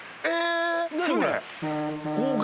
えっ！？